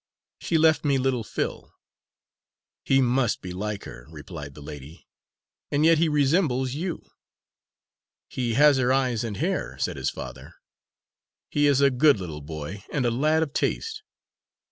She left me little Phil." "He must be like her," replied the lady, "and yet he resembles you." "He has her eyes and hair," said his father. "He is a good little boy and a lad of taste.